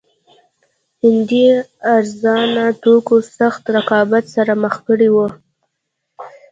هندي ارزانه توکو سخت رقابت سره مخ کړي وو.